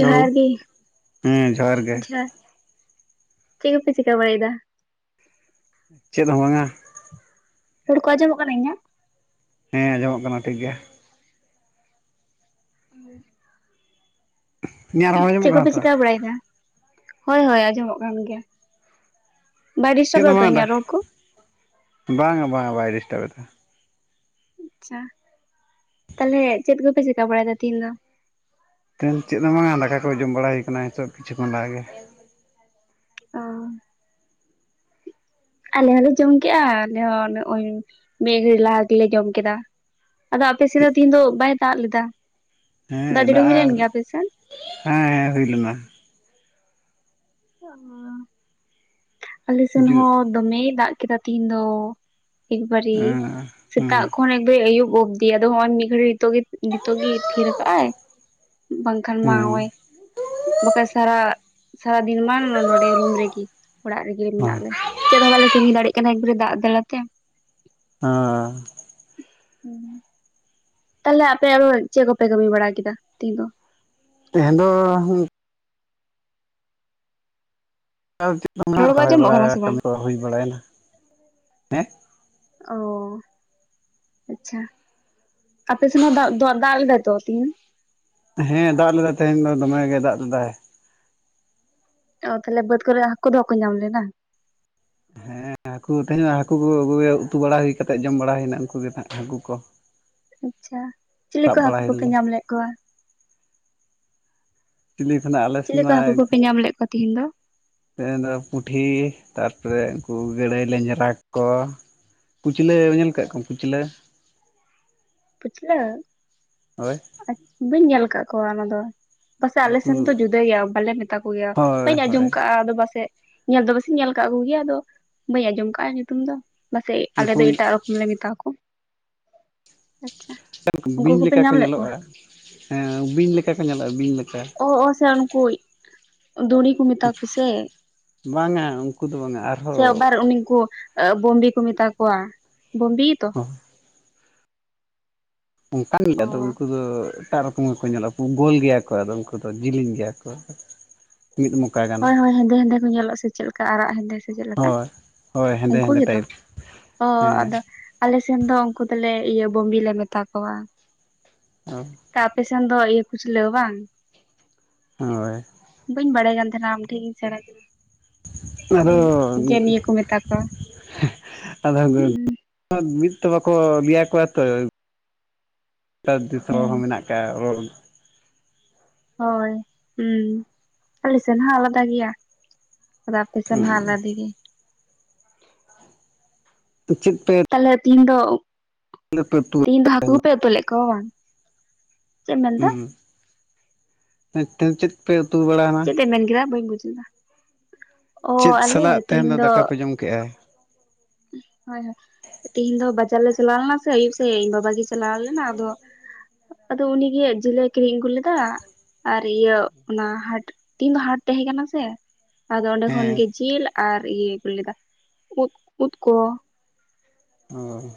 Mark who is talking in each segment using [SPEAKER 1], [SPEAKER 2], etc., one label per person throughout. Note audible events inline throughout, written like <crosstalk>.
[SPEAKER 1] ᱡᱚᱦᱟᱨ ᱜᱮ
[SPEAKER 2] ᱦᱮᱸ ᱜᱮ
[SPEAKER 1] ᱡᱚᱦᱟᱨ ᱪᱮᱫ ᱠᱚᱯᱮ ᱪᱤᱠᱟᱹ ᱵᱟᱲᱟᱭᱮᱫᱟ
[SPEAKER 2] ᱪᱮᱫ ᱦᱚᱸ ᱵᱟᱝ-ᱟ
[SPEAKER 1] ᱨᱚᱲᱠᱳ ᱠᱚ ᱟᱸᱚᱢᱚᱜ ᱠᱟᱱᱟ ᱤᱧᱟᱜ?
[SPEAKER 2] ᱦᱮᱸ ᱟᱸᱡᱚᱢᱚᱜ ᱠᱟᱱᱟ ᱴᱷᱤᱠ ᱜᱮ᱾
[SPEAKER 1] ᱩᱸᱻ᱾
[SPEAKER 2] ᱤᱧᱟᱹᱜ ᱨᱚᱲ ᱟᱸᱡᱚᱢᱚᱜ
[SPEAKER 1] ᱪᱮᱜ ᱠᱚᱯᱮ
[SPEAKER 2] ᱠᱟᱱᱟ ᱛᱚ
[SPEAKER 1] ᱪᱤᱠᱟᱹ ᱵᱟᱲᱟᱭᱮᱫᱟ? ᱦᱳᱭ ᱦᱳᱭ ᱟᱸᱡᱚᱢᱚᱜ ᱠᱟᱱ ᱜᱮᱭᱟ᱾ ᱵᱟᱭ
[SPEAKER 2] ᱪᱮᱫ
[SPEAKER 1] ᱰᱤᱥᱴᱟᱵ
[SPEAKER 2] ᱮᱢ
[SPEAKER 1] ᱮᱫᱟ ᱛᱚ
[SPEAKER 2] ᱢᱟᱜᱫᱟ,
[SPEAKER 1] ᱤᱧᱟᱹᱜ ᱨᱚᱲ ᱠᱚ?
[SPEAKER 2] ᱵᱟᱝᱟ ᱵᱟᱝᱟ ᱵᱟᱭ ᱰᱤᱥᱴᱟᱵ ᱫᱟ᱾
[SPEAKER 1] ᱟᱪᱪᱷᱟ ᱛᱟᱦᱚᱞᱮ ᱪᱮᱫ ᱠᱚᱯᱮ ᱪᱮᱠᱟᱹ ᱵᱟᱲᱟᱭᱫᱟ ᱛᱮᱤ ᱦᱮᱧ ᱫᱚ?
[SPEAKER 2] ᱛᱮᱱ ᱪᱮᱫ ᱦᱚᱸ ᱵᱟᱝᱟ, ᱫᱟᱠᱟ ᱠᱚ ᱡᱚᱢ ᱵᱟᱲᱟ ᱦᱩᱭ ᱠᱟᱱᱟ ᱱᱤᱛᱚᱜ ᱠᱤᱪᱷᱩ ᱠᱷᱚᱱ ᱞᱟᱦᱟᱜ ᱜᱮ᱾
[SPEAKER 1] ᱚᱸᱻ᱾ ᱟᱞᱮ ᱦᱚᱸᱞᱮ ᱡᱚᱢ ᱠᱮᱜᱼᱟ ᱟᱞᱮ ᱦᱚᱸ ᱱᱚᱜᱼᱚᱭ ᱢᱤᱜᱷᱟᱹᱲᱤᱼᱜ ᱞᱟᱦᱟ ᱜᱮᱞᱮ ᱡᱚᱢ ᱠᱮᱫᱟ᱾ ᱟᱫᱚ ᱟᱯᱮᱥᱮᱫ
[SPEAKER 2] ᱪᱮᱫ
[SPEAKER 1] ᱫᱚ ᱛᱤᱦᱤᱧ ᱫᱚ ᱵᱟᱭ ᱫᱟᱜ ᱞᱮᱫᱟ, ᱫᱟᱜ ᱡᱟᱹᱲᱤ ᱦᱩᱭ ᱞᱮᱱ ᱜᱮᱭᱟ ᱟᱯᱮᱥᱮᱱ?
[SPEAKER 2] ᱦᱮᱸᱻᱦᱮᱸᱻᱦᱩᱭ ᱞᱮᱱᱟ᱾
[SPEAKER 1] ᱪᱮᱜ ᱢᱟ <unintelligible> ᱟᱞᱮ ᱥᱮᱱ
[SPEAKER 2] ᱡᱩᱜ
[SPEAKER 1] ᱦᱚᱸ ᱫᱚᱢᱮᱭ ᱫᱟᱜ ᱠᱮᱫᱟ ᱛᱮᱤᱦᱤᱧ ᱫᱚ᱾ ᱮᱠᱵᱟᱨᱮ
[SPEAKER 2] ᱦᱮᱸ ᱦᱩᱸ ᱦᱩᱸ
[SPEAKER 1] ᱥᱮᱛᱟᱜ ᱠᱷᱚᱱ ᱮᱠᱵᱟᱨᱮ ᱟᱹᱭᱩᱵ ᱚᱵᱫᱤ, ᱟᱫᱚ ᱦᱚᱸᱜᱚᱭ ᱢᱤᱫ ᱜᱷᱟᱹᱲᱤᱜ ᱱᱤᱛᱚᱜᱮ ᱱᱤᱛᱚᱜᱮ ᱛᱷᱤᱨᱟᱠᱟᱜ ᱟᱭ ᱵᱟᱝᱠᱷᱟᱱ
[SPEAKER 2] ᱦᱮᱸ
[SPEAKER 1] ᱢᱟ
[SPEAKER 2] ᱦᱮᱸ
[SPEAKER 1] ᱦᱚᱜᱼᱚᱭ᱾ ᱵᱟᱠᱷᱟᱡ ᱥᱟᱨᱟ ᱥᱟᱨᱟᱫᱤᱱ ᱢᱟ ᱱᱚᱸᱰᱮ ᱨᱩᱢ ᱨᱮᱜᱮ, ᱚᱲᱟᱜ ᱨᱮ᱾ ᱜᱮ ᱢᱮᱱᱟᱜ ᱞᱮ ᱪᱮᱫ ᱦᱚᱸ ᱵᱟᱞᱮ ᱠᱟᱹᱢᱤ ᱫᱟᱲᱮᱜ ᱠᱟᱱᱟ, ᱮᱠᱵᱟᱨᱮ ᱫᱟᱜ ᱡᱟᱞᱟᱛᱮ᱾
[SPEAKER 2] ᱚᱸᱻ᱾
[SPEAKER 1] ᱦᱩᱸᱻ᱾ ᱛᱟᱦᱚᱞᱮ ᱟᱯᱮ ᱟᱫᱚ ᱪᱮᱫ ᱠᱚᱯᱮ ᱠᱟᱹᱢᱤ ᱵᱟᱲᱟ ᱠᱮᱫᱟ ᱛᱮᱦᱤᱧ ᱫᱚ?
[SPEAKER 2] ᱛᱮᱦᱮᱧ ᱫᱚ ᱪᱮᱫ ᱦᱚᱱᱟᱜ
[SPEAKER 1] ᱨᱚᱲ ᱠᱚ
[SPEAKER 2] ᱨᱚᱦᱚᱭ
[SPEAKER 1] ᱟᱸᱡᱚᱢᱚᱜ ᱠᱟᱱᱟ ᱥᱮ
[SPEAKER 2] ᱵᱟᱲᱟ
[SPEAKER 1] ᱵᱟᱝ
[SPEAKER 2] ᱠᱟᱹᱢᱤ ᱠᱚ ᱦᱩᱭ ᱵᱟᱲᱟᱭᱮᱱᱟ ᱦᱮᱸ
[SPEAKER 1] ᱚᱻ ᱟᱪᱪᱷᱟ᱾ ᱟᱯᱮ ᱥᱮᱱ ᱦᱚᱸ ᱫᱟᱜ ᱫᱚ ᱫᱟᱜ ᱞᱮᱫᱟᱭ ᱛᱚ ᱛᱤᱦᱤᱱ?
[SPEAKER 2] ᱦᱮᱸ ᱫᱟᱜ ᱞᱮᱫᱟᱭ ᱛᱮᱦᱮᱧ ᱫᱚ ᱫᱚᱢᱮ ᱜᱮᱭ ᱫᱟᱜ ᱞᱮᱫᱟᱭ᱾
[SPEAKER 1] ᱟ ᱛᱟᱦᱚᱞᱮ ᱵᱟᱹᱫᱽ ᱠᱚᱨᱮ ᱦᱟᱹᱠᱳ ᱫᱚ ᱵᱟᱠᱚ ᱧᱟᱢ ᱞᱮᱱᱟ᱾
[SPEAKER 2] ᱦᱮᱸ ᱦᱟᱹᱠᱩ ᱛᱮᱦᱮᱧ ᱦᱟᱹᱠᱩ ᱠᱚ ᱩᱛᱩ ᱵᱟᱲᱟ ᱦᱩᱭ ᱠᱟᱛᱮᱜ, ᱡᱚᱢ ᱵᱟᱲᱟ ᱦᱩᱭᱱᱟ ᱩᱱᱠᱩ ᱜᱮ ᱱᱟᱜ ᱦᱟᱹᱠᱩ ᱠᱚ᱾
[SPEAKER 1] ᱟᱪᱪᱷᱟ ᱪᱤᱞᱤ
[SPEAKER 2] ᱥᱟᱵ
[SPEAKER 1] ᱠᱚ
[SPEAKER 2] ᱵᱟᱲᱟ
[SPEAKER 1] ᱦᱟᱹᱠᱩ
[SPEAKER 2] ᱦᱩᱭ
[SPEAKER 1] ᱠᱚᱯᱮ
[SPEAKER 2] ᱞᱮᱱᱟ
[SPEAKER 1] ᱧᱟᱢ ᱞᱮᱜ ᱠᱚᱣᱟ?
[SPEAKER 2] ᱪᱤᱞᱤ ᱠᱷᱚᱱᱟᱜ ᱟᱞᱮ
[SPEAKER 1] ᱪᱤᱞᱤ ᱠᱚ
[SPEAKER 2] ᱥᱮᱱᱢᱟ
[SPEAKER 1] ᱦᱟᱹᱠᱩ ᱠᱚᱯᱮ ᱧᱟᱢ ᱞᱮᱫ ᱠᱚᱣᱟ ᱛᱤᱦᱤᱧ ᱫᱚ
[SPEAKER 2] ᱛᱮᱦᱮᱱ ᱫᱚ ᱯᱩᱴᱷᱤ ᱛᱟᱨᱯᱚᱨᱮ ᱩᱱᱠᱩ ᱜᱟᱹᱲᱟᱹᱭ ᱞᱮᱸᱡᱽᱨᱟ ᱠᱚ᱾ ᱠᱩᱪᱞᱟᱹ ᱧᱮᱞ ᱠᱟᱜ ᱠᱚᱣᱟᱢ ᱠᱩᱪᱞᱟᱹ?
[SPEAKER 1] ᱠᱩᱪᱞᱟ.?
[SPEAKER 2] ᱦᱳᱭ᱾
[SPEAKER 1] ᱵᱟᱹᱧ ᱧᱮᱞ ᱠᱟᱜ ᱠᱚᱣᱟ ᱚᱱᱟ ᱫᱚ᱾ ᱯᱟᱥᱮᱜ ᱟᱞᱮ
[SPEAKER 2] ᱩᱱᱠᱩ
[SPEAKER 1] ᱥᱮᱱ ᱫᱚ ᱡᱩᱫᱟᱹ ᱜᱮᱭᱟ᱾ ᱵᱟᱞᱮ ᱢᱮᱛᱟ ᱠᱚᱜᱮᱭᱟ
[SPEAKER 2] ᱦᱳᱭ
[SPEAKER 1] ᱵᱟᱹᱧ ᱟᱸᱡᱚᱢ
[SPEAKER 2] ᱦᱳᱭ
[SPEAKER 1] ᱠᱟᱜᱼᱟ ᱟᱫᱚ ᱵᱟᱥᱮᱜ ᱧᱮᱞ ᱫᱚ ᱵᱟᱥᱮᱧ ᱧᱮᱞ ᱠᱟᱜ ᱠᱚᱜᱮᱭᱟ᱾ ᱟᱫᱚ ᱵᱟᱹᱧ ᱟᱸᱡᱚᱢ ᱠᱟᱜᱼᱟ, ᱧᱩᱛᱩᱢ ᱫᱚ ᱵᱟᱥᱮᱡ ᱟᱞᱮ
[SPEAKER 2] ᱩᱱᱠᱩ
[SPEAKER 1] ᱫᱚ ᱮᱴᱟᱜ ᱨᱚᱠ ᱞᱮ ᱢᱮᱛᱟ ᱠᱚ ᱟᱪᱪᱷᱟ ᱩᱱᱠᱩ
[SPEAKER 2] ᱵᱤᱧ
[SPEAKER 1] ᱠᱚᱯᱮ
[SPEAKER 2] ᱞᱮᱠᱟ ᱠᱚ
[SPEAKER 1] ᱧᱟᱢ ᱞᱮᱜ
[SPEAKER 2] ᱦᱮᱸ ᱵᱤᱧ ᱞᱮᱠᱟ ᱠᱚ ᱧᱮᱞᱚᱜᱼᱟ ᱵᱤᱧ ᱞᱮᱠᱟ᱾
[SPEAKER 1] ᱚᱻ ᱚᱻ ᱥᱮ ᱩᱱᱠᱩ ᱫᱩᱲᱤ ᱠᱩ ᱢᱮᱛᱟ ᱠᱚ ᱥᱮ?
[SPEAKER 2] ᱵᱟᱝᱼᱟ ᱩᱱᱠᱩ ᱫᱚ ᱵᱟᱝᱟ᱾
[SPEAKER 1] ᱥᱮ
[SPEAKER 2] ᱟᱨᱦᱚᱸ
[SPEAKER 1] ᱟᱵᱟᱨ ᱩᱱᱠᱩ <inaudible> ᱠᱚ ᱢᱮᱛᱟ ᱠᱚᱣᱟ <inaudible> ᱜᱮ ᱛᱚ
[SPEAKER 2] <unintelligible> ᱚᱱᱠᱟᱱ ᱜᱮ
[SPEAKER 1] ᱚ
[SPEAKER 2] ᱟᱫᱚ ᱩᱱᱠᱩ ᱫᱚ ᱮᱴᱟᱜ ᱨᱚᱠᱚᱢ ᱜᱮᱠᱚ ᱧᱮᱞᱚᱜᱼᱟ᱾ᱜᱳᱞ ᱜᱮᱭᱟ ᱠᱚ ᱟᱫᱚᱢ ᱠᱚ ᱫᱚ ᱡᱮᱞᱮᱧ ᱜᱮᱭᱟ ᱠᱚ᱾ ᱢᱤᱫ ᱢᱚᱠᱟ ᱜᱟᱱ᱾
[SPEAKER 1] ᱦᱳᱭᱻᱦᱳᱭ, ᱦᱮᱸᱫᱮ ᱦᱮᱸᱫᱮ ᱠᱚ ᱧᱮᱞᱚᱜᱼᱟ᱾ ᱥᱮ ᱪᱮᱫ ᱞᱮᱠᱟ ᱟᱨᱟᱜ ᱦᱮᱸᱫᱮ ᱥᱮ ᱪᱮᱫ ᱞᱮᱠᱟ
[SPEAKER 2] ᱦᱳᱭ ᱦᱳᱭ ᱦᱮᱸᱫᱮ
[SPEAKER 1] ᱩᱱᱠᱩ
[SPEAKER 2] ᱦᱮᱸᱫᱮ
[SPEAKER 1] ᱜᱮᱛᱚ?
[SPEAKER 2] ᱴᱟᱭᱤᱯ
[SPEAKER 1] ᱚ
[SPEAKER 2] ᱦᱮᱸ
[SPEAKER 1] ᱟᱫᱚ ᱟᱞᱮ ᱥᱮᱱ ᱫᱚ ᱩᱱᱠᱩ ᱫᱚᱞᱮ ᱤᱭᱟᱹ ᱵᱚᱢᱵᱤ ᱞᱮ ᱢᱮᱛᱟ ᱠᱚᱣᱟ᱾
[SPEAKER 2] ᱚᱻ,
[SPEAKER 1] ᱛᱚ ᱟᱯᱮ ᱥᱮᱱ ᱫᱚ ᱤᱭᱟᱹ ᱠᱩᱪᱞᱟᱹ ᱵᱟᱝ?
[SPEAKER 2] ᱦᱳᱭ
[SPEAKER 1] ᱵᱟᱹᱧ ᱵᱟᱲᱟᱭ ᱠᱟᱱ ᱛᱟᱦᱮᱱᱟ ᱟᱢ ᱴᱷᱮᱱᱤᱧ ᱥᱮᱬᱟ ᱠᱮᱫᱟ ᱪᱮᱫ
[SPEAKER 2] ᱟᱫᱚ
[SPEAKER 1] ᱠᱟᱹᱫᱟᱹᱧ ᱡᱮ ᱱᱤᱭᱟᱹ ᱠᱚ ᱢᱮᱛᱟ ᱠᱚᱣᱟ
[SPEAKER 2] ᱟᱫᱚ ᱢᱤᱫ ᱛᱚ ᱵᱟᱠᱚ ᱞᱟᱹᱭᱟ ᱠᱚᱣᱟ ᱛᱚ ᱫᱤᱥᱚᱢ ᱦᱚᱸ
[SPEAKER 1] ᱦᱮᱸ
[SPEAKER 2] ᱢᱮᱱᱟᱜ ᱠᱜᱼᱟ ᱦᱳᱭ
[SPEAKER 1] ᱦᱳᱭ ᱟᱞᱮ ᱥᱮᱱ ᱦᱚᱸ ᱟᱞᱟᱫᱟ ᱜᱮᱭᱟ ᱨᱟᱛᱮ <inaudible> ᱜᱮ
[SPEAKER 2] ᱪᱮᱫ <inaudible>
[SPEAKER 1] ᱛᱟᱦᱚᱞᱮ ᱛᱤᱦᱤᱧ ᱫᱚ
[SPEAKER 2] <unintelligible>
[SPEAKER 1] ᱫᱚ ᱦᱟᱠᱩ ᱯᱮ ᱩᱛᱩ ᱞᱮᱫ ᱠᱚᱣᱟ ᱵᱟᱝ ᱪᱮᱫ ᱮᱢ ᱢᱮᱱᱫᱟ
[SPEAKER 2] ᱦᱩᱸ ᱦᱩᱸ ᱢᱤᱫ ᱪᱮᱫ ᱯᱮ ᱩᱛᱩ ᱵᱟᱲ
[SPEAKER 1] ᱪᱮᱫ ᱮᱢ ᱢᱮᱱ ᱠᱮᱫᱟ ᱵᱟᱹᱧ ᱵᱩᱡ ᱞᱮᱫᱟ ᱚ
[SPEAKER 2] ᱪᱮᱫ
[SPEAKER 1] ᱟᱞᱮ
[SPEAKER 2] ᱥᱟᱞᱟᱜ ᱛᱟᱦᱮᱱ
[SPEAKER 1] ᱛᱤᱦᱤᱧ
[SPEAKER 2] ᱫᱚ ᱫᱟᱠᱟ ᱯᱮ ᱡᱚᱢ ᱠᱮᱜᱼᱟ
[SPEAKER 1] ᱦᱳᱭ ᱦᱳᱭ ᱛᱮᱤᱦᱤᱧ ᱫᱚ ᱵᱟᱡᱟᱨ ᱞᱮ ᱪᱟᱞᱟᱣ ᱞᱮᱱᱟ ᱥᱮ ᱟᱹᱭᱩᱵ ᱥᱮᱫ ᱤᱧ ᱵᱟᱵᱟ ᱜᱮ ᱪᱟᱞᱟᱣ ᱞᱮᱱᱟ ᱟᱫᱚ ᱟᱫᱚ ᱩᱱᱤ ᱜᱮ ᱡᱤᱞᱮ ᱠᱤᱨᱤᱧ ᱟᱹᱜᱩ ᱞᱮᱫᱟ ᱟᱨ ᱤᱭᱟᱹ ᱚᱱᱟ ᱦᱟᱴ ᱛᱤᱱ ᱫᱚ ᱦᱟᱴ ᱛᱟᱦᱮᱸ ᱠᱟᱱᱟ ᱥᱮ ᱟᱫᱚ ᱚᱸᱰᱮ ᱠᱷᱚᱱ
[SPEAKER 2] ᱦᱮᱸ
[SPEAKER 1] ᱜᱮ ᱡᱤᱞ ᱟᱨ ᱤᱭᱟᱹ ᱟᱹᱜᱩ ᱞᱮᱫᱟ ᱩᱫ ᱩᱫ ᱠᱚ
[SPEAKER 2] ᱦᱳᱭ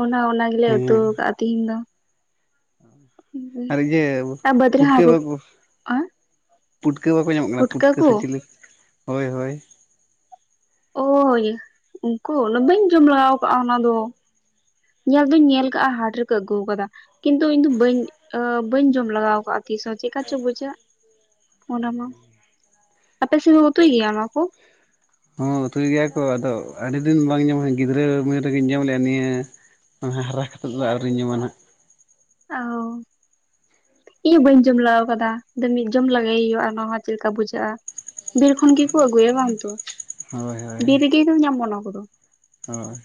[SPEAKER 1] ᱚᱱᱟ ᱚᱱᱟ ᱜᱮᱞᱮ ᱩᱛᱩ ᱠᱟᱜᱼᱟ ᱛᱤᱦᱤᱧ ᱫᱚ
[SPEAKER 2] ᱟᱨ ᱤᱭᱟᱹ
[SPEAKER 1] ᱟᱨ ᱵᱟᱹᱫᱽ ᱨᱮ
[SPEAKER 2] ᱯᱩᱴᱠᱟᱹ
[SPEAKER 1] ᱦᱟᱠᱩ
[SPEAKER 2] ᱵᱟᱠᱚ ᱯᱩᱴᱠᱟᱹ ᱵᱟᱠᱚ ᱧᱟᱢᱚᱜ ᱠᱟᱱᱟ ᱯᱩᱴᱠᱟᱹ ᱥᱮ ᱪᱤᱞᱤ ᱦᱳᱭ ᱦᱳᱭ
[SPEAKER 1] ᱳᱭ ᱩᱱᱠᱩ ᱵᱟᱹᱧ ᱡᱚᱢ ᱞᱟᱜᱟᱣ ᱟᱠᱟᱫᱼᱟ ᱚᱱᱟ ᱫᱚ ᱧᱮᱞ ᱫᱩᱧ ᱧᱮᱞ ᱠᱟᱜᱼᱟ ᱦᱟᱴ ᱨᱮᱠᱚ ᱟᱹᱜᱩ ᱟᱠᱟᱫᱟ ᱠᱤᱱᱛᱩ ᱤᱧ ᱫᱚ ᱵᱟᱹᱧ ᱵᱟᱹᱧ ᱡᱚᱢ ᱞᱟᱜᱟᱣ ᱠᱟᱜᱼᱟ ᱛᱤᱥ ᱦᱚᱸ ᱪᱮᱠᱟ ᱪᱚ ᱵᱩᱡᱷᱟᱹᱜ ᱚᱱᱟ ᱢᱟ
[SPEAKER 2] <unintelligible>
[SPEAKER 1] ᱟᱯᱮ ᱥᱮᱢ ᱩᱛᱩᱭ ᱜᱮᱭᱟ ᱚᱱᱟ ᱠᱚ
[SPEAKER 2] ᱦᱚᱸ ᱩᱛᱩᱭ ᱜᱮᱭᱟ ᱠᱚ ᱟᱫᱚ ᱟᱹᱰᱤ ᱫᱤᱱ ᱵᱟᱝ ᱧᱟᱢᱟ ᱜᱤᱫᱽᱨᱟᱹ ᱩᱢᱮᱨ ᱨᱮᱜᱤᱧ ᱡᱚᱢ ᱞᱮᱼᱟ ᱱᱤᱭᱟᱹ ᱚᱱᱟ ᱦᱟᱨᱟ ᱠᱟᱛᱮᱫ ᱫᱚ ᱟᱹᱣᱨᱤᱧ ᱡᱚᱢᱟ ᱱᱟᱦᱟᱜ
[SPEAKER 1] ᱚ ᱤᱧ ᱦᱚᱸ ᱵᱟᱹᱧ ᱡᱚᱢ ᱞᱟᱣ ᱠᱟᱫᱟ ᱢᱤᱫ ᱡᱚᱢ ᱞᱟᱜᱟᱭᱮ ᱦᱩᱭᱩᱜᱼᱟ ᱚᱱᱟ ᱦᱚᱸ ᱪᱮᱫ ᱞᱮᱠᱟ ᱵᱩᱡᱷᱟᱹᱜᱼᱟ ᱵᱤᱨ ᱠᱷᱚᱱ ᱜᱮᱠᱚ ᱟᱹᱜᱩᱭᱟ ᱵᱟᱝ ᱛᱚ
[SPEAKER 2] ᱦᱳᱭ ᱦᱳᱭ
[SPEAKER 1] ᱛᱤᱨᱮᱢ ᱧᱟᱢ ᱚᱱᱟᱠᱚᱫᱚ
[SPEAKER 2] ᱦᱳᱭ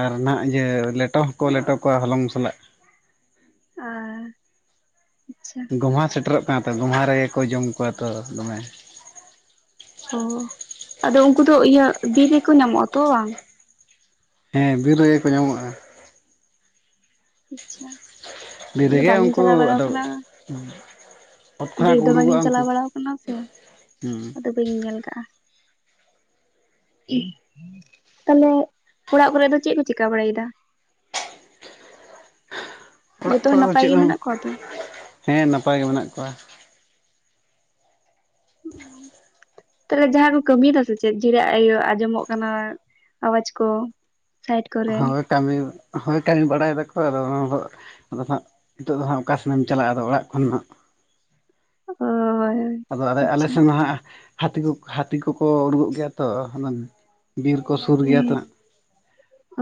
[SPEAKER 2] ᱟᱨ ᱱᱟᱦᱟᱜ ᱤᱭᱟᱹ ᱞᱮᱴᱚ ᱦᱚᱸᱠᱚ ᱞᱮᱴᱚ ᱠᱚᱣᱟ ᱦᱚᱞᱚᱝ ᱥᱟᱞᱟᱜ
[SPEAKER 1] ᱟᱨ ᱟᱪᱪᱷᱟ
[SPEAKER 2] ᱜᱚᱢᱦᱟ ᱥᱮᱴᱮᱨᱚᱜ ᱠᱟᱱ ᱛᱚ ᱜᱚᱢᱦᱟ ᱨᱮᱜᱮ ᱠᱚ ᱡᱚᱢ ᱠᱚᱣᱟ ᱛᱚ ᱫᱚᱢᱮ
[SPEAKER 1] ᱚ ᱟᱫᱚ ᱩᱱᱠᱩ ᱫᱚ ᱤᱭᱟᱹ ᱵᱤᱨ ᱨᱮᱠᱚ ᱧᱟᱢᱚᱜᱼᱟ ᱛᱚ ᱵᱟᱝ
[SPEAKER 2] ᱦᱮᱸ ᱵᱤᱨ ᱨᱮᱜᱮ ᱠᱚ ᱧᱟᱢᱚᱜᱼᱟ
[SPEAKER 1] ᱟᱪᱪᱷᱟ ᱤᱧ ᱫᱚ
[SPEAKER 2] ᱵᱤᱨᱮᱫᱮ
[SPEAKER 1] ᱵᱟᱝᱤᱧ
[SPEAKER 2] ᱩᱱᱠᱩ
[SPEAKER 1] ᱪᱟᱞᱟᱣ ᱵᱟᱲᱟ
[SPEAKER 2] ᱟᱫᱚ
[SPEAKER 1] ᱟᱠᱟᱱᱟ
[SPEAKER 2] ᱚᱛ
[SPEAKER 1] ᱵᱤᱨ
[SPEAKER 2] ᱠᱷᱚᱱᱟᱜ ᱠᱚ
[SPEAKER 1] ᱫᱚ ᱵᱟᱞᱤᱧ
[SPEAKER 2] ᱩᱰᱩᱠᱚᱜᱼᱟ ᱩᱱᱠᱩ
[SPEAKER 1] ᱪᱟᱞᱟᱣ ᱵᱟᱲᱟᱣ ᱠᱟᱱᱟ ᱥᱮ
[SPEAKER 2] ᱦᱩᱸ
[SPEAKER 1] ᱟᱫᱚ ᱵᱟᱹᱧ ᱧᱮᱞ ᱠᱟᱜᱼᱟ ᱛᱟᱦᱚᱞᱮ ᱚᱲᱟᱜ ᱠᱚᱨᱮ ᱫᱚ ᱪᱮᱜ ᱠᱚ ᱪᱮᱠᱟ ᱵᱟᱲᱟᱭᱮᱫᱟ
[SPEAKER 2] ᱚᱲᱟᱜ
[SPEAKER 1] ᱡᱚᱛᱚ ᱦᱚᱲ
[SPEAKER 2] ᱠᱚᱨᱮ ᱫᱚ
[SPEAKER 1] ᱱᱟᱯᱟᱭ
[SPEAKER 2] ᱪᱮᱫ
[SPEAKER 1] ᱜᱮ
[SPEAKER 2] ᱦᱚᱸ ᱵᱟᱝ
[SPEAKER 1] ᱢᱮᱱᱟᱜ ᱠᱚᱣᱟ ᱛᱚ
[SPEAKER 2] ᱦᱮᱸ ᱱᱟᱯᱟᱭ ᱜᱮ ᱢᱮᱱᱟᱜ ᱠᱚᱣᱟ
[SPEAKER 1] <unintelligible> ᱛᱟᱦᱚᱞᱮ ᱡᱟᱦᱟᱸ ᱠᱚ ᱠᱟᱹᱢᱤᱭᱮᱫᱟ ᱥᱮ ᱪᱮᱫ ᱤᱭᱟᱹ ᱟᱸᱡᱚᱢᱚᱜ ᱠᱟᱱᱟ ᱟᱣᱟᱡᱽ ᱠᱚ ᱥᱟᱭᱤᱰ ᱠᱚᱨᱮ
[SPEAKER 2] ᱦᱳᱭ ᱠᱟᱹᱢᱤ ᱦᱚᱭ ᱠᱟᱹᱢᱤ ᱵᱟᱲᱟᱭ ᱫᱟᱠᱚ ᱟᱫᱚ ᱚᱱᱟ ᱟᱫᱚ ᱱᱟᱜ ᱱᱤᱛᱚᱜ ᱫᱚ ᱦᱟᱜ ᱚᱠᱟᱥᱮᱱᱮᱢ ᱪᱟᱞᱟᱜᱼᱟ ᱟᱫᱚ ᱚᱲᱟᱜ ᱠᱷᱚᱱ ᱦᱟᱸᱜ
[SPEAKER 1] ᱦᱳᱭ
[SPEAKER 2] ᱟᱫᱚ ᱟᱞᱮ ᱟᱞᱮ ᱥᱮᱫ ᱫᱚ ᱦᱟᱸᱜ ᱦᱟᱹᱛᱤ ᱠᱚ ᱦᱟᱹᱛᱤ ᱠᱚᱠᱚ ᱩᱰᱩᱜᱚᱜ ᱜᱮᱭᱟ ᱛᱚ ᱵᱤᱨ ᱠᱚ ᱥᱩᱨ ᱜᱮᱭᱟ
[SPEAKER 1] ᱦᱮᱸ
[SPEAKER 2] ᱛᱚ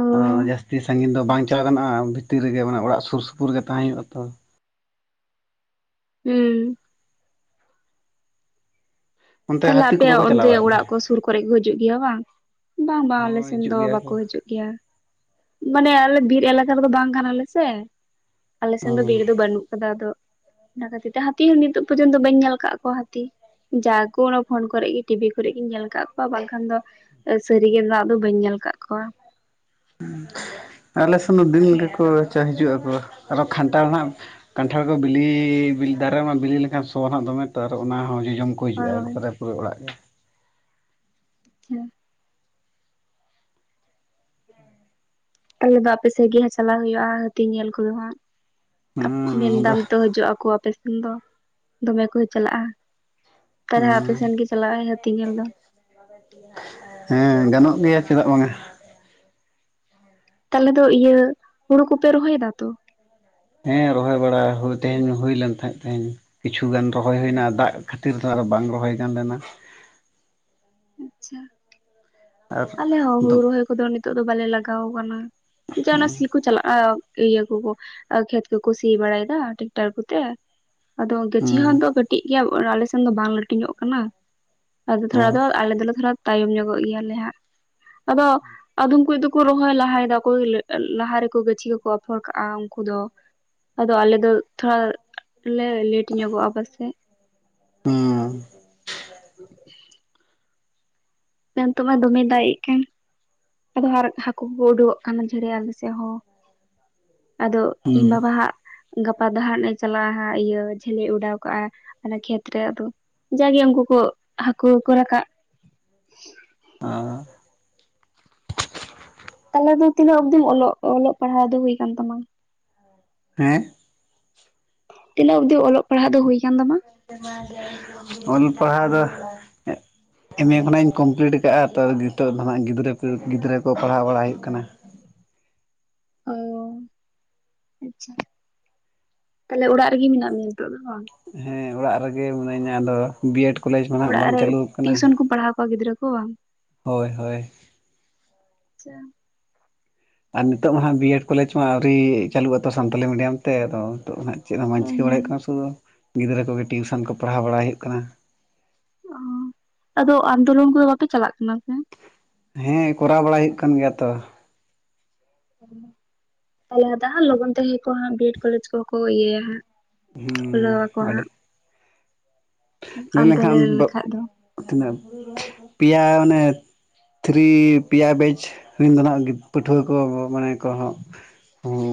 [SPEAKER 1] ᱚ
[SPEAKER 2] ᱦᱟᱸᱜ ᱟᱫᱚ ᱡᱟᱹᱥᱛᱤ ᱥᱟᱸᱜᱤᱱ ᱫᱚ ᱵᱟᱝ ᱪᱟᱜᱟᱱᱼᱟ ᱵᱷᱤᱛᱤᱨ ᱨᱮᱜᱮ ᱢᱟᱱᱮ ᱚᱲᱟᱜ ᱥᱩᱨ ᱥᱩᱯᱩᱨ ᱜᱮ ᱛᱟᱦᱮᱸ ᱦᱩᱭᱩᱜᱼᱟ ᱛᱚ ᱾
[SPEAKER 1] ᱦᱩᱸ
[SPEAKER 2] ᱚᱱᱛᱮ
[SPEAKER 1] ᱛᱟᱞᱦᱮ
[SPEAKER 2] ᱦᱟᱹᱛᱤ ᱠᱚ ᱵᱟᱠᱚ
[SPEAKER 1] ᱟᱯᱮᱭᱟᱜ
[SPEAKER 2] ᱪᱟᱞᱟᱣ
[SPEAKER 1] ᱚᱸᱰᱮ
[SPEAKER 2] ᱵᱟᱲᱟᱜ ᱜᱮᱭᱟ
[SPEAKER 1] ᱚᱲᱟᱜ ᱠᱚ ᱥᱩᱨ ᱠᱚ ᱠᱚᱨᱮ ᱠᱚ ᱦᱤᱡᱩᱜ ᱜᱮᱭᱟ ᱵᱟᱝ ᱵᱟᱝ ᱵᱟᱝ ᱟᱞᱮ
[SPEAKER 2] ᱦᱚᱸ
[SPEAKER 1] ᱥᱮᱱ
[SPEAKER 2] ᱦᱤᱡᱩᱜ
[SPEAKER 1] ᱫᱚ
[SPEAKER 2] ᱜᱮᱭᱟ ᱠᱚ
[SPEAKER 1] ᱵᱟᱠᱚ ᱦᱤᱡᱩᱜ ᱜᱮᱭᱟ ᱾ ᱢᱟᱱᱮ ᱟᱞᱮ ᱵᱤᱨ ᱮᱞᱟᱠᱟ ᱨᱮᱫᱚ ᱵᱟᱝ ᱠᱟᱱᱟᱞᱮ ᱥᱮ ᱾ ᱟᱞᱮ ᱥᱮᱱ ᱫᱚ
[SPEAKER 2] ᱦᱚᱸ
[SPEAKER 1] ᱵᱤᱲ ᱫᱚ ᱵᱟᱹᱱᱩᱜ ᱠᱟᱫᱟ ᱟᱫᱚ ᱚᱱᱟ ᱠᱷᱟᱹᱛᱤᱨ ᱛᱮ ᱦᱟᱹᱛᱤ ᱦᱚᱸ ᱱᱤᱛᱚᱜ ᱯᱚᱨᱡᱚᱱᱛᱚ ᱵᱟᱹᱧ ᱧᱮᱞ ᱠᱟᱜ ᱠᱚᱣᱟ ᱦᱟᱹᱛᱤ ᱡᱟ ᱠᱚ ᱚᱱᱟ ᱯᱷᱳᱱ ᱠᱚᱨᱮᱜ ᱜᱤ ᱴᱤᱵᱷᱤ ᱠᱚᱨᱮᱜ ᱜᱤ ᱧᱮᱞ ᱠᱟᱜ ᱠᱚᱣᱟ ᱵᱟᱝᱠᱷᱟᱱ ᱫᱚ ᱥᱟᱹᱨᱤᱜᱮ ᱱᱟᱜ ᱫᱚ ᱵᱟᱹᱧ ᱧᱮᱞ ᱠᱟᱜ ᱠᱚᱣᱟ ᱾
[SPEAKER 2] ᱟᱞᱮᱥᱮᱱ ᱦᱚᱸ ᱫᱤᱱ ᱜᱮᱠᱚ ᱪᱟ ᱦᱤᱡᱩᱜ ᱟᱠᱚ ᱟᱨᱚ ᱠᱷᱟᱱᱴᱟᱲ ᱠᱟᱱᱴᱷᱟᱲ ᱠᱚ ᱵᱤᱞᱤᱼᱞᱤᱞ ᱫᱟᱨᱮᱢᱟ ᱵᱤᱞᱤ ᱞᱮᱠᱷᱟᱱ ᱥᱚᱭᱟ ᱦᱸᱟᱜ ᱫᱚᱢᱮ ᱛᱚ ᱟᱨ ᱦᱚᱸ ᱚᱱᱟ ᱦᱚᱸ ᱡᱚᱡᱚᱢ ᱠᱚ ᱠᱚ ᱦᱤᱡᱩᱜᱼᱟ
[SPEAKER 1] ᱦᱳᱭ
[SPEAKER 2] ᱮᱠᱵᱟᱨᱮ ᱯᱩᱨᱟᱹ ᱚᱲᱟᱜ ᱨᱮ
[SPEAKER 1] <inaudible> ᱛᱟᱦᱚᱞᱮ ᱫᱚ ᱟᱯᱮᱥᱮᱜ ᱜᱮ ᱦᱟᱸᱜ ᱪᱟᱞᱟᱣ ᱦᱩᱭᱩᱜᱼᱟ ᱦᱟᱹᱛᱤ ᱧᱮᱞ ᱠᱚᱫᱚ ᱦᱟᱸᱜ ᱾
[SPEAKER 2] ᱦᱩᱸ ᱟᱫᱚ
[SPEAKER 1] ᱢᱮᱱᱫᱟᱢ ᱛᱚ ᱦᱤᱡᱩᱜ ᱟᱠᱚ ᱟᱯᱮ ᱥᱮᱱ ᱫᱚ ᱫᱚᱢᱮ ᱠᱚ ᱪᱟᱞᱟᱜᱼᱟ ᱛᱟᱦᱚᱞᱮ ᱟᱯᱮ
[SPEAKER 2] ᱦᱩᱸ
[SPEAKER 1] ᱥᱮᱱ ᱜᱮ ᱪᱟᱞᱟᱜᱼᱟ ᱦᱟᱹᱛᱤ ᱧᱮᱞ ᱫᱚ
[SPEAKER 2] ᱦᱮᱸ ᱜᱟᱱᱚᱜ ᱜᱮᱭᱟ ᱪᱮᱫᱟᱜ ᱵᱟᱝᱼᱟ ᱾
[SPEAKER 1] ᱛᱟᱦᱚᱞᱮ ᱫᱚ ᱤᱭᱟᱹ ᱦᱩᱲᱩ ᱠᱚᱯᱮ ᱨᱚᱦᱚᱭ ᱫᱟ ᱛᱚ?
[SPEAKER 2] ᱦᱮᱸ ᱨᱚᱦᱚᱭ ᱵᱟᱲᱟ ᱦᱩᱭ ᱛᱮᱦᱮᱧ ᱦᱚᱸ ᱦᱩᱭ ᱞᱮᱱ ᱛᱟᱦᱮᱸ ᱛᱮᱦᱮᱸᱧ ᱾ ᱠᱤᱪᱷᱩ ᱜᱟᱱ ᱨᱚᱦᱚᱭ ᱦᱳᱭᱱᱟ ᱫᱟᱜ ᱠᱷᱟᱹᱛᱤᱨ ᱫᱚ ᱟᱨᱦᱚᱸ ᱵᱟᱝ ᱨᱚᱦᱚᱭ ᱜᱟᱱ ᱞᱮᱱᱟ ᱾
[SPEAKER 1] ᱟᱪᱪᱷᱟ
[SPEAKER 2] ᱟᱨ
[SPEAKER 1] ᱟᱞᱮ ᱦᱚᱸ ᱦᱩᱲᱩ
[SPEAKER 2] ᱫᱚ
[SPEAKER 1] ᱨᱚᱦᱚᱭ ᱠᱚᱫᱚ ᱱᱤᱛᱚᱜ ᱫᱚ ᱵᱟᱞᱮ ᱞᱟᱜᱟᱣ ᱠᱟᱱᱟ ᱾ ᱡᱟ ᱚᱱᱟ ᱥᱤᱠᱚ ᱪᱟᱞᱟᱜᱼᱟ ᱤᱭᱟᱹ ᱠᱚᱠᱚ ᱠᱷᱮᱛ ᱠᱚᱠᱚ ᱥᱤ ᱵᱟᱲᱟᱭ ᱫᱟ ᱴᱮᱠᱴᱟᱨ ᱠᱚᱛᱮ ᱾ ᱟᱫᱚ ᱜᱟᱹᱪᱷᱤ
[SPEAKER 2] ᱦᱩᱸ
[SPEAKER 1] ᱦᱚᱸ ᱟᱫᱚ ᱠᱟᱹᱴᱤᱡ ᱜᱮᱭᱟ ᱟᱞᱮᱥᱱ ᱫᱚ ᱵᱟᱝ ᱞᱟᱹᱴᱷᱩᱧᱚᱜ ᱠᱟᱱᱟ ᱟᱫᱚ ᱛᱷᱚᱲᱟ
[SPEAKER 2] ᱚ
[SPEAKER 1] ᱫᱚ ᱟᱞᱮ ᱫᱚᱞᱮ ᱛᱷᱚᱲᱟ ᱛᱟᱭᱚᱢ ᱧᱚᱜᱚᱜ ᱜᱮᱭᱟᱞᱮ ᱦᱟᱸᱜ ᱟᱫᱚ ᱟᱫᱚᱢ ᱠᱚ ᱫᱚᱠᱚ ᱨᱚᱦᱚᱭ ᱞᱟᱦᱟᱭᱮᱫᱟᱠᱚ ᱞᱟᱹᱜ ᱞᱟᱦᱟ ᱨᱮᱠᱚ ᱜᱟᱹᱪᱷᱤ ᱠᱚᱠᱚ ᱯᱷᱚᱲ ᱠᱟᱜᱼᱟ ᱩᱱᱠᱩ ᱫᱚ ᱟᱫᱚ ᱟᱞᱮ ᱫᱚ ᱛᱷᱚᱲᱟ ᱞᱮ ᱞᱮᱴ ᱧᱚᱜᱚᱜᱼᱟ ᱯᱟᱥᱮᱡ ᱾
[SPEAKER 2] ᱦᱩᱸ
[SPEAKER 1] ᱦᱩᱸ ᱱᱤᱛᱚᱜ ᱢᱟ ᱫᱚᱢᱮᱭ ᱫᱟᱜᱼᱮᱜ ᱠᱟᱱ ᱾ ᱟᱫᱚ ᱦᱟᱨ ᱦᱟᱹᱠᱳ ᱠᱚ ᱩᱰᱩᱠᱚᱜ ᱠᱟᱱ ᱫᱚᱢ ᱡᱷᱟᱨᱤᱭᱟ ᱟᱞᱮ ᱥᱮᱜ ᱦᱚᱸ ᱾ ᱟᱫᱚ
[SPEAKER 2] ᱦᱩᱸ
[SPEAKER 1] ᱤᱧ ᱵᱟᱵᱟ ᱦᱟᱸᱜ ᱜᱟᱯᱟ ᱫᱚ ᱦᱟᱸᱜ ᱞᱮ ᱪᱟᱞᱟᱜᱼᱟ ᱦᱟᱸᱜ ᱤᱭᱟᱹ ᱡᱷᱟᱹᱞᱮ ᱚᱰᱟᱣ ᱠᱟᱜᱼᱟ ᱚᱱᱟ ᱠᱷᱮᱛ ᱨᱮ ᱟᱫᱚ ᱡᱟᱜᱮ ᱩᱱᱠᱩ ᱠᱚ ᱦᱟᱹᱠᱩ ᱠᱚ ᱨᱟᱠᱟᱵ <inaudible>
[SPEAKER 2] ᱚᱻ
[SPEAKER 1] ᱛᱟᱦᱚᱞᱮ ᱫᱚ ᱛᱤᱱᱟᱹᱜ ᱚᱵᱫᱤ ᱚᱞᱚᱜ ᱚᱞᱚᱜ ᱯᱟᱲᱦᱟᱣ ᱫᱚ ᱦᱩᱭ ᱠᱟᱱ ᱛᱟᱢᱟ?
[SPEAKER 2] ᱦᱮᱸᱜ
[SPEAKER 1] ᱛᱤᱱᱟᱹᱜ ᱚᱵᱫᱤ ᱚᱞᱚᱜ ᱯᱟᱲᱦᱟᱣ ᱫᱚ ᱦᱩᱭ ᱠᱟᱱ ᱛᱟᱢᱟ?
[SPEAKER 2] ᱚᱞ ᱯᱟᱲᱦᱟᱣ ᱫᱚ ᱮᱢ ᱮ ᱠᱷᱚᱱᱟᱜ ᱤᱧ ᱠᱚᱢᱯᱞᱤᱴ ᱠᱟᱜᱼᱟ ᱛᱚ ᱱᱤᱛᱚᱜ ᱫᱚ ᱦᱟᱸᱜ ᱜᱤᱫᱽᱨᱟᱹ ᱜᱤᱫᱽᱨᱟᱹ ᱠᱚ ᱜᱤᱫᱽᱨᱟᱹ ᱠᱚ ᱯᱟᱲᱦᱟᱣ ᱵᱟᱲᱟ ᱦᱩᱭᱩᱜ ᱠᱟᱱᱟ ᱾
[SPEAKER 1] ᱚ ᱟᱪᱪᱷᱟ ᱛᱟᱦᱚᱞᱮ ᱚᱲᱟᱜ ᱨᱮᱜᱮ ᱢᱮᱱᱟᱜ ᱢᱮᱭᱟ ᱱᱤᱛᱚᱜ ᱫᱚ ᱵᱟᱝ
[SPEAKER 2] ᱦᱮᱸ ᱚᱲᱟᱜ ᱨᱮᱜᱮ ᱢᱤᱱᱟᱹᱧᱟ ᱟᱫᱚ ᱵᱤ ᱮᱰ ᱠᱚᱞᱮᱡᱽ ᱢᱟ ᱦᱟᱸᱜ
[SPEAKER 1] ᱚᱲᱟᱜ
[SPEAKER 2] ᱵᱟᱝ
[SPEAKER 1] ᱨᱮ
[SPEAKER 2] ᱪᱟᱹᱞᱩ ᱠᱟᱱᱟ ᱾
[SPEAKER 1] ᱴᱤᱭᱩᱥᱚᱱ ᱯᱟᱲᱦᱟᱣ ᱠᱚᱣᱟ ᱜᱤᱫᱽᱨᱟᱹ ᱠᱚ ᱵᱟᱝ ᱾
[SPEAKER 2] ᱦᱳᱭ ᱦᱳᱭ
[SPEAKER 1] ᱟᱪᱪᱷᱟ
[SPEAKER 2] ᱟᱨ ᱱᱤᱛᱚᱜ ᱢᱟ ᱦᱟᱜ ᱵᱤᱭᱮᱰ ᱠᱚᱞᱮᱡᱽ ᱦᱚᱸ ᱟᱹᱣᱨᱤ ᱪᱟᱹᱞᱩᱜ ᱟᱛᱚ ᱥᱟᱱᱛᱟᱞᱤ ᱢᱤᱰᱤᱭᱟᱢ ᱛᱮ ᱟᱫᱚ ᱱᱤᱛᱚᱜ ᱫᱚ ᱱᱟᱸᱜ ᱪᱮᱫ ᱦᱚᱸ ᱵᱟᱧ ᱪᱤᱠᱟᱹ ᱵᱟᱲᱟ ᱦᱩᱭᱩᱜ
[SPEAKER 1] ᱦᱮᱸ
[SPEAKER 2] ᱠᱟᱱᱟ ᱥᱩᱫᱷᱩ ᱜᱤᱫᱽᱨᱟᱹ ᱠᱚᱜᱮ ᱴᱤᱭᱩᱥᱚᱱ ᱠᱚ ᱯᱟᱲᱦᱟᱣ ᱵᱟᱲᱟ ᱦᱩᱭᱩᱜ ᱠᱟᱱᱟ ᱾
[SPEAKER 1] ᱚ ᱟᱫᱚ ᱟᱱᱫᱳᱞᱚᱱ ᱠᱚᱫᱚ ᱵᱟᱯᱮ ᱪᱟᱞᱟᱜ ᱠᱟᱱᱟ ᱥᱮ?
[SPEAKER 2] ᱦᱮᱸ ᱠᱚᱨᱟᱣ ᱵᱟᱲᱟ ᱦᱩᱭᱩᱜ ᱠᱟᱱ ᱜᱮᱭᱟ ᱛᱚ᱾
[SPEAKER 1] ᱛᱟᱦᱚᱞᱮ <unintelligible> ᱞᱚᱜᱚᱱ ᱛᱮ ᱦᱮᱸ ᱠᱚ ᱦᱟᱸᱜ ᱵᱤ ᱮᱰ ᱠᱚᱞᱮᱡᱽ ᱠᱚᱦᱚᱸ ᱠᱚ ᱤᱭᱟᱹ ᱭᱟ ᱦᱟᱸᱜ ᱾ ᱠᱷᱩᱞᱟᱹᱣ
[SPEAKER 2] ᱦᱩᱸ
[SPEAKER 1] ᱟᱠᱚ
[SPEAKER 2] ᱟᱹᱰᱤ
[SPEAKER 1] ᱦᱟᱸᱜ ᱾
[SPEAKER 2] ᱞᱟᱹᱭ
[SPEAKER 1] ᱛᱮ
[SPEAKER 2] ᱞᱮᱱᱠᱷᱟᱱ ᱵᱟᱯ
[SPEAKER 1] ᱞᱮᱠᱷᱟᱡ ᱫᱚ
[SPEAKER 2] ᱛᱤᱱᱟᱹᱜ ᱯᱤᱭᱟ ᱚᱱᱮ ᱛᱷᱨᱤ ᱯᱤᱭᱟ ᱵᱮᱡᱽ ᱨᱮᱱ ᱫᱚ ᱦᱟᱸᱜ ᱯᱟᱹᱴᱷᱩᱣᱟᱹ ᱠᱚ ᱢᱟᱱᱮ ᱠᱚᱦᱚᱸ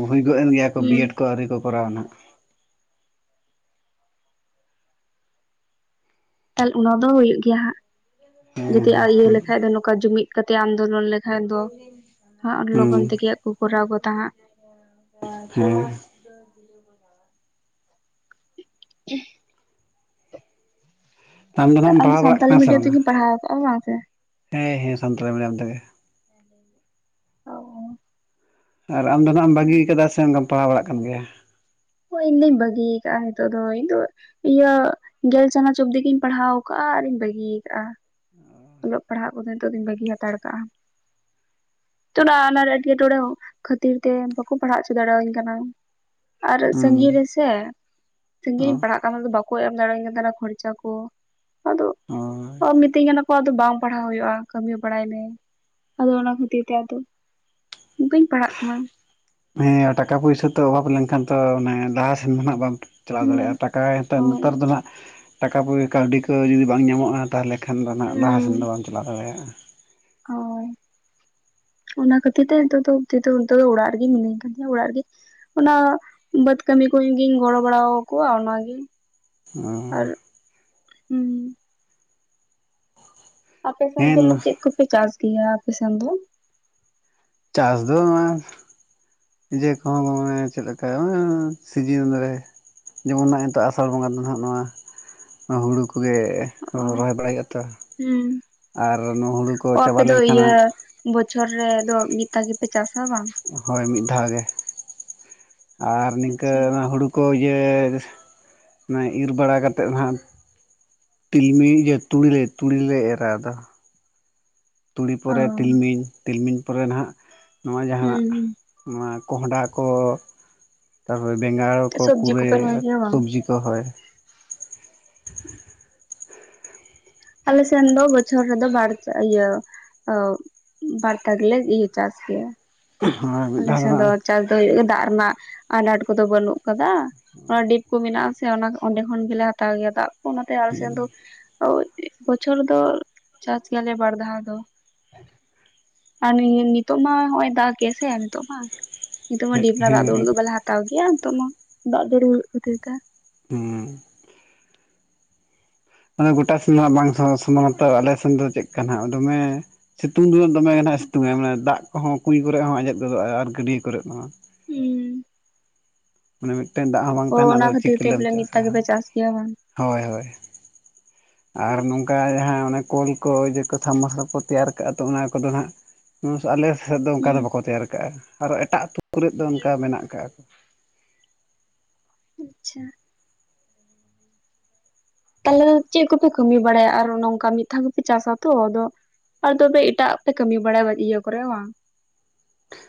[SPEAKER 2] ᱦᱩᱭ ᱜᱚᱜ ᱮᱱ ᱜᱮᱭᱟ ᱠᱚ ᱵᱤ
[SPEAKER 1] ᱦᱩᱸ
[SPEAKER 2] ᱮᱰ ᱠᱚ ᱟᱹᱣᱨᱤ ᱠᱚ ᱠᱚᱨᱣᱟ ᱱᱷᱟᱸᱜ ᱾
[SPEAKER 1] ᱚᱱᱟ ᱫᱚ ᱦᱩᱭᱩᱜ ᱜᱮᱭᱟ ᱦᱟᱸᱜ ᱡᱩᱫᱤ
[SPEAKER 2] ᱦᱮᱸ
[SPEAKER 1] ᱤᱭᱟᱹ
[SPEAKER 2] ᱦᱮᱸ
[SPEAKER 1] ᱞᱮᱠᱷᱟᱡ ᱫᱚ ᱱᱚᱝᱠᱟ ᱡᱩᱢᱤᱫ ᱠᱟᱛᱮ ᱟᱱᱫᱳᱞᱚᱱ ᱞᱮᱠ ᱠᱷᱟᱡ ᱫᱚ ᱦᱟᱸᱜ ᱞᱚᱜᱚᱱ
[SPEAKER 2] ᱦᱮᱸ
[SPEAKER 1] ᱛᱮᱜᱮᱭᱟᱜ ᱠᱚ ᱠᱚᱨᱟᱣ ᱜᱚᱫᱟ ᱦᱟᱸᱜ ᱾
[SPEAKER 2] <inaudible> ᱦᱮᱸ <inaudible>
[SPEAKER 1] <inaudible>
[SPEAKER 2] ᱫᱚ
[SPEAKER 1] ᱛᱚ
[SPEAKER 2] ᱱᱟᱜ ᱮᱢ
[SPEAKER 1] ᱟᱢ
[SPEAKER 2] ᱯᱟᱲᱦᱟᱣ ᱵᱟᱲᱟᱜ
[SPEAKER 1] ᱥᱟᱱᱛᱟᱞᱤ
[SPEAKER 2] ᱠᱟᱱᱟ ᱥᱮ
[SPEAKER 1] ᱢᱤᱰᱤᱭᱟᱢ
[SPEAKER 2] ᱵᱟᱝᱟ
[SPEAKER 1] ᱛᱮᱜᱮ ᱯᱟᱲᱦᱟᱣ ᱠᱟᱜᱼᱟ ᱵᱟᱝ ᱥᱮ?
[SPEAKER 2] ᱦᱮᱸ ᱦᱮᱸ ᱥᱟᱱᱛᱟᱲᱤ ᱢᱤᱰᱤᱭᱟᱢ ᱛᱮᱜᱮ ᱾
[SPEAKER 1] ᱚᱸ <inaudible>
[SPEAKER 2] ᱟᱨ ᱟᱢᱫᱚ ᱱᱟᱸᱜ ᱮᱢ ᱵᱟᱹᱜᱤ ᱠᱟᱫᱟ ᱥᱮ ᱚᱱᱠᱟᱢ ᱯᱟᱲᱦᱟᱣ ᱵᱟᱲᱟᱜ ᱠᱟᱱ ᱜᱮᱭᱟ?
[SPEAKER 1] ᱤᱧ ᱫᱚᱧ ᱵᱟᱹᱜᱤ ᱠᱟᱜᱼᱟ ᱱᱤᱛᱚᱜ ᱫᱚ ᱤᱧ ᱫᱚ ᱤᱭᱟᱹ ᱜᱮᱞ ᱪᱟᱱᱟᱪ ᱚᱵᱫᱤ ᱜᱤᱧ ᱯᱟᱲᱦᱟᱣ ᱠᱟᱜᱼᱟ ᱟᱨᱤᱧ ᱵᱟᱹᱜᱤ ᱠᱟᱜᱼᱟ ᱾ ᱚᱞᱚᱜ ᱯᱟᱲᱦᱟᱜ ᱠᱚᱫᱚ ᱱᱤᱛᱚᱜ ᱫᱤᱱ ᱵᱟᱹᱜᱤ ᱦᱟᱛᱟᱲ ᱠᱟᱜᱼᱟ ᱾ ᱛᱷᱚᱲᱟ ᱟᱱᱟᱨ ᱮᱴᱠᱮᱴᱚᱬᱮ ᱦᱚᱸ ᱠᱷᱟᱹᱛᱤᱨ ᱛᱮ ᱵᱟᱠᱚ ᱯᱟᱲᱦᱟᱣ ᱦᱚᱪᱚ ᱫᱟᱲᱮ ᱟᱹᱧ ᱠᱟᱱᱟ, ᱟᱨ ᱥᱟᱹᱜᱤᱧ
[SPEAKER 2] ᱦᱩᱸ
[SPEAKER 1] ᱨᱮᱥᱮ ᱥᱟᱹᱜᱤᱧ ᱨᱤᱧ
[SPEAKER 2] ᱚ
[SPEAKER 1] ᱯᱟᱲᱦᱟᱜ ᱠᱟᱱᱟ ᱛᱚ ᱵᱟᱠᱚ ᱮᱢ ᱫᱟᱲᱮ ᱟᱹᱧ ᱠᱟᱱ ᱛᱟᱦᱮᱱᱟ ᱠᱷᱚᱨᱪᱟ ᱠᱚ ᱟᱫᱚ ᱚ
[SPEAKER 2] ᱦᱳᱭ
[SPEAKER 1] ᱢᱤᱛᱟᱧ ᱢᱤᱛᱟᱧ ᱠᱟᱱ ᱠᱚ ᱟᱫᱚ ᱵᱟᱝ ᱯᱟᱲᱦᱟᱣ ᱦᱩᱭᱩᱜᱼᱟ ᱠᱟᱹᱢᱤ ᱵᱟᱲᱟᱭ ᱢᱮ ᱟᱫᱚ ᱚᱱᱟ ᱠᱷᱟᱹᱛᱤᱨ ᱛᱮ ᱟᱫᱚ, ᱵᱟᱹᱧ ᱯᱟᱲᱦᱟᱜ ᱠᱟᱱᱟ ᱾
[SPEAKER 2] ᱦᱮᱸ ᱴᱟᱠᱟ ᱯᱩᱭᱥᱟᱹ ᱛᱚ ᱚᱵᱷᱟᱵ ᱞᱮᱱᱠᱷᱟᱱ ᱛᱚ <inaudible> ᱢᱟᱱᱮ ᱞᱟᱦᱟ ᱥᱮᱱ ᱫᱚ ᱱᱷᱟᱜ ᱵᱟᱝ ᱪᱟᱞᱟᱣ
[SPEAKER 1] ᱦᱩᱸ
[SPEAKER 2] ᱫᱟᱲᱮᱭᱟᱜᱼᱟ ᱴᱟᱠᱟ ᱱᱮᱛᱟᱨ
[SPEAKER 1] ᱦᱳᱭ
[SPEAKER 2] ᱱᱮᱛᱟᱨ ᱫᱚ ᱱᱷᱟᱸᱜ ᱴᱟᱠᱟ ᱯᱚᱭ ᱠᱟᱹᱣᱰᱤ ᱠᱚ ᱡᱩᱫᱤ ᱵᱟᱝ ᱧᱟᱢᱚᱜᱼᱟ, ᱛᱟᱦᱚᱞᱮ ᱠᱷᱟᱱ ᱫᱚ ᱱᱟᱜ ᱞᱟᱦᱟ ᱥᱮᱱ ᱫᱚ
[SPEAKER 1] ᱦᱩᱸ
[SPEAKER 2] ᱵᱟᱢ ᱪᱟᱞᱟᱣ ᱫᱟᱲᱮᱭᱟᱜᱼᱟ ᱾
[SPEAKER 1] ᱦᱳᱭ ᱚᱱᱟ ᱠᱷᱟᱹᱛᱤᱨ ᱛᱮ ᱱᱤᱛᱚᱜ ᱫᱚ ᱚᱵᱫᱤ ᱫᱚ ᱱᱤᱛᱚᱜ ᱫᱚ ᱚᱲᱟᱜ ᱨᱮᱜᱤ ᱢᱤᱱᱟᱹᱧ ᱠᱟᱹᱫᱤᱧᱟ ᱚᱲᱟᱜ ᱨᱮᱜᱮ ᱚᱱᱟ ᱵᱟᱹᱫᱽ ᱠᱟᱹᱢᱤ ᱠᱚ ᱜᱤᱧ ᱜᱚᱲᱚ ᱵᱟᱲᱟ ᱠᱚᱣᱟ ᱚᱱᱟ ᱜᱤ ᱾
[SPEAKER 2] ᱚᱸ
[SPEAKER 1] ᱦᱩᱸ ᱟᱯᱮᱥᱮᱱ ᱫᱚ
[SPEAKER 2] ᱦᱮᱸ
[SPEAKER 1] ᱪᱮᱫ ᱠᱚᱯᱮ ᱪᱟᱥ ᱜᱮᱭᱟ ᱟᱯᱮ ᱥᱮᱱ ᱫᱚ?
[SPEAKER 2] ᱪᱟᱥ ᱫᱚ <unintelligible> ᱡᱮ ᱠᱚᱱᱳ ᱱᱚᱜ-ᱚᱭ ᱪᱮᱫ ᱞᱮᱠᱟ <inaudible> ᱥᱤᱡᱤᱱ ᱨᱮ ᱡᱮᱢᱚᱱ <inaudible> ᱱᱤᱛᱚᱜ ᱟᱥᱟᱲ ᱵᱚᱸᱜᱟ ᱫᱚ ᱱᱟᱦᱟᱜ ᱱᱚᱣᱟ ᱦᱩᱲᱩ ᱠᱚᱜᱮ
[SPEAKER 1] ᱚ
[SPEAKER 2] ᱨᱚᱦᱚᱭ ᱵᱟᱲᱟᱭ ᱦᱳᱭᱳᱜ ᱟᱛᱚ,
[SPEAKER 1] ᱦᱩᱸ
[SPEAKER 2] ᱟᱨ ᱱᱚ ᱦᱩᱲᱩ ᱠᱚ
[SPEAKER 1] ᱚ
[SPEAKER 2] ᱪᱟᱵᱟ
[SPEAKER 1] ᱟᱯᱮ ᱫᱚ
[SPEAKER 2] ᱞᱮᱱᱠᱷᱟᱱ
[SPEAKER 1] ᱤᱭᱟᱹ
[SPEAKER 2] ᱦᱟᱜ
[SPEAKER 1] ᱵᱚᱪᱷᱚᱨ ᱨᱮᱫᱚ ᱢᱤᱫ ᱫᱷᱟᱣ ᱜᱮᱯᱮ ᱪᱟᱥᱟ ᱵᱟ?
[SPEAKER 2] ᱦᱳᱭ ᱢᱤᱫ ᱫᱷᱟᱣ ᱜᱮ ᱟᱨ ᱱᱤᱝᱠᱟᱹ
[SPEAKER 1] ᱟᱪᱪᱷᱟ
[SPEAKER 2] <inaudible> ᱦᱩᱲᱩ ᱠᱚ ᱤᱭᱟᱹ ᱤᱨ ᱵᱟᱲᱟ ᱠᱟᱛᱮᱫ ᱦᱟᱜ ᱛᱤᱞᱢᱤᱧ ᱤᱭᱟᱹ ᱛᱩᱲᱤᱞᱮ ᱛᱩᱲᱤᱞᱮ ᱮᱨᱟ ᱟᱫᱚ, ᱛᱩᱲᱤ
[SPEAKER 1] ᱚ
[SPEAKER 2] ᱯᱚᱨᱮ
[SPEAKER 1] ᱦᱩᱸ
[SPEAKER 2] ᱛᱤᱞᱢᱤᱧ ᱛᱤᱞᱢᱤᱧ ᱯᱚᱨᱮ ᱱᱟᱦᱟᱜ, ᱱᱚᱣᱟ ᱡᱟᱦᱟ
[SPEAKER 1] ᱦᱩᱸ
[SPEAKER 2] ᱱᱚᱣᱟ ᱠᱚᱸᱦᱰᱟ ᱠᱚ ᱛᱟᱯᱚᱨᱮ ᱵᱮᱸᱜᱟᱲ ᱠᱚ
[SPEAKER 1] ᱥᱚᱵᱽᱡᱤ
[SPEAKER 2] ᱯᱩᱨᱟᱹᱭ
[SPEAKER 1] ᱠᱚᱯᱮ ᱨᱚᱦᱚᱭ ᱜᱮᱭᱟ ᱵᱟᱝ?
[SPEAKER 2] ᱥᱚᱵᱽᱡᱤ ᱨᱚᱦᱚᱭ <inaudible>
[SPEAKER 1] ᱟᱞᱮ ᱥᱮᱱ ᱫᱚ ᱵᱚᱪᱷᱚᱨ ᱨᱮᱫᱚ ᱵᱟᱨᱪᱟ ᱤᱭᱟᱹ ᱟᱹ ᱵᱟᱲᱛᱟ ᱜᱮᱞᱮ ᱤᱭᱟᱹ ᱪᱟᱥ ᱜᱮᱭᱟ
[SPEAKER 2] <inaudible>
[SPEAKER 1] ᱟᱞᱮ ᱥᱮᱫ ᱫᱚ ᱪᱟᱥ ᱫᱚ ᱦᱩᱭᱩᱜ ᱜᱮ ᱫᱟᱜ ᱨᱮᱱᱟᱜ ᱟᱱᱟᱴ ᱠᱚᱫᱚ ᱵᱟᱹᱱᱩᱜ ᱠᱟᱫᱟ, ᱚᱱᱟ ᱰᱤᱯ ᱠᱚ ᱢᱮᱱᱟᱜ ᱟᱥᱮ ᱚᱸᱰᱮ ᱠᱷᱚᱱ ᱜᱮᱞᱮ ᱦᱟᱛᱟᱣ ᱜᱮᱭᱟ ᱫᱟᱜ ᱠᱚ ᱚᱱᱟᱛᱮ ᱟᱞᱮ ᱥᱮᱫ ᱫᱚ <unintelligible> ᱵᱚᱪᱷᱚᱨ ᱫᱚ ᱪᱟᱥ ᱜᱮᱭᱟᱞᱮ ᱵᱟᱨ ᱫᱷᱟᱣ ᱫᱚ ᱟᱨ ᱱᱤᱛᱚᱜ ᱢᱟ ᱦᱚᱜ-ᱚᱭ ᱫᱟᱜ ᱜᱮᱜᱟ ᱥᱮ ᱱᱤᱛᱚᱜ ᱢᱟ ᱱᱤᱛᱚᱜ ᱢᱟ <unintelligible> ᱫᱟᱜ
[SPEAKER 2] ᱦᱟᱸᱜ
[SPEAKER 1] ᱫᱚ
[SPEAKER 2] ᱦᱮᱸ
[SPEAKER 1] ᱩᱱᱟᱹᱜ ᱫᱚ ᱵᱟᱞᱮ <unintelligible> ᱦᱟᱛᱟᱣ ᱜᱮᱭᱟ ᱱᱤᱛᱚᱜ ᱢᱟ ᱫᱟᱜ <inaudible> ᱠᱷᱟᱛᱤᱨ ᱛᱮ
[SPEAKER 2] ᱦᱩᱸ ᱚᱱᱮ ᱜᱚᱴᱟ ᱥᱮᱱ ᱦᱟᱜ ᱵᱟᱝ ᱥᱚᱢᱟᱱᱟᱛᱚ ᱟᱞᱮ ᱥᱮᱱ ᱫᱚ ᱪᱮᱫᱠᱟ ᱱᱟᱜ ᱫᱚᱢᱮ ᱥᱤᱛᱩᱝ ᱫᱚ ᱫᱚᱢᱮ ᱜᱮ ᱱᱟᱜ ᱮ ᱥᱤᱛᱩᱝᱟᱭ ᱢᱟᱱᱮ ᱫᱟᱜ ᱠᱚᱦᱚᱸ ᱠᱩᱸᱧ ᱠᱚᱨᱮᱜ ᱦᱚᱸ ᱟᱸᱡᱮᱫ ᱜᱚᱫᱚᱜᱼᱟ ᱟᱨ ᱜᱟᱹᱰᱭᱟᱹ ᱠᱚᱨᱮᱜ ᱦᱚᱸ
[SPEAKER 1] ᱩᱸ
[SPEAKER 2] ᱢᱟᱱᱮ ᱢᱤᱫᱴᱮᱱ ᱫᱟᱜ ᱦᱚᱸ ᱵᱟᱝ
[SPEAKER 1] ᱚ
[SPEAKER 2] ᱛᱟᱦᱮᱱᱟ
[SPEAKER 1] ᱚᱱᱟ
[SPEAKER 2] ᱟᱫᱚ
[SPEAKER 1] ᱠᱷᱟᱹᱛᱤᱨ ᱛᱮ
[SPEAKER 2] ᱪᱤᱠᱟᱹᱞᱮᱢ
[SPEAKER 1] ᱵᱚᱞᱮ ᱢᱤᱫ
[SPEAKER 2] ᱪᱟᱥᱟ,
[SPEAKER 1] ᱫᱷᱟᱣ ᱜᱮᱯᱮ ᱪᱟᱥ ᱜᱮᱭᱟ ᱵᱟᱝ
[SPEAKER 2] ᱦᱳᱭ ᱦᱳᱭ ᱟᱨ ᱱᱚᱝᱠᱟ ᱡᱟᱦᱟᱸ ᱚᱱᱟ ᱠᱚᱞ ᱠᱚ ᱤᱭᱟᱹ ᱠᱚ ᱥᱟᱢ ᱢᱟᱨᱥᱟᱞ ᱠᱚ ᱛᱮᱭᱟᱨ ᱠᱟᱜᱼᱟ ᱛᱚ ᱚᱱᱟ ᱠᱚᱫᱚ ᱱᱟᱜ ᱟᱞᱮ ᱥᱮᱫ ᱫᱚ ᱚᱱᱠᱟ
[SPEAKER 1] ᱦᱩᱸ
[SPEAKER 2] ᱫᱚ ᱵᱟᱠᱚ ᱛᱮᱭᱟᱨ ᱠᱟᱜᱼᱟ, ᱟᱨᱚ ᱮᱴᱟᱜ ᱟᱹᱛᱩ ᱠᱚᱨᱮᱫ ᱫᱚ
[SPEAKER 1] ᱦᱩᱸ
[SPEAKER 2] ᱚᱱᱠᱟ ᱢᱮᱱᱟᱜ ᱠᱟᱜᱼᱟ᱾
[SPEAKER 1] ᱟᱪᱪᱷᱟ ᱛᱟᱦᱚᱞᱮ ᱪᱮᱫ ᱠᱚᱯᱮ ᱠᱟᱹᱢᱤ ᱵᱟᱲᱟᱭᱟ ᱟᱨ ᱱᱚᱝᱠᱟ ᱢᱤᱫ ᱫᱷᱟᱣ ᱜᱮᱯᱮ ᱪᱟᱥᱟ ᱛᱚ ᱟᱫᱚ ᱛᱚᱵᱮ ᱮᱴᱟᱜ ᱟᱜ ᱯᱮ ᱠᱟᱹᱢᱤ ᱵᱟᱲᱟᱭᱟ ᱤᱭᱟᱹ ᱠᱚᱨᱮ ᱵᱟᱝ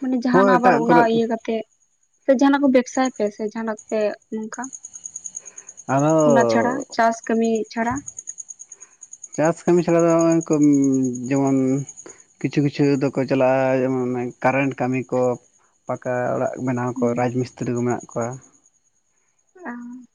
[SPEAKER 1] ᱢᱟᱱᱮ ᱡᱟᱦᱟᱱ
[SPEAKER 2] ᱦᱳᱭ
[SPEAKER 1] ᱟᱵᱟᱨ
[SPEAKER 2] ᱮᱴᱟᱜ
[SPEAKER 1] ᱚᱱᱟ
[SPEAKER 2] ᱠᱚᱨᱮᱫ
[SPEAKER 1] ᱤᱭᱟᱹ ᱠᱟᱛᱮᱫ ᱥᱮ ᱡᱟᱦᱟᱱᱟᱜ ᱠᱚ ᱵᱮᱵᱥᱟ ᱭᱟᱯᱮ ᱥᱮ ᱡᱟᱦᱱᱟᱜ ᱯᱮ ᱱᱚᱝᱠᱟ ᱚᱱᱟ ᱪᱷᱟᱲᱟ
[SPEAKER 2] ᱟᱫᱚ
[SPEAKER 1] ᱪᱟᱥ ᱠᱟᱹᱢᱤ ᱪᱷᱟᱲᱟ
[SPEAKER 2] ᱪᱟᱥ ᱠᱟᱹᱢᱤ ᱪᱷᱟᱲᱟ ᱫᱚ <inaudible> ᱡᱮᱢᱚᱱ ᱠᱤᱪᱷᱩ ᱠᱤᱪᱷᱩ ᱫᱚᱠᱚ ᱪᱟᱞᱟᱜᱼᱟ ᱠᱟᱨᱮᱱᱴ ᱠᱟᱹᱢᱤ ᱠᱚ ᱯᱟᱠᱟ ᱚᱲᱟᱜ ᱵᱮᱱᱟᱣ ᱠᱚ
[SPEAKER 1] ᱦᱩᱸ
[SPEAKER 2] ᱨᱟᱡᱽ ᱢᱤᱥᱛᱨᱤ ᱠᱚ ᱢᱮᱱᱟᱜ ᱠᱚᱣᱟ
[SPEAKER 1] ᱚᱸ